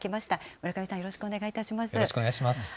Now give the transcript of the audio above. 村上さん、よろしくお願いいたします。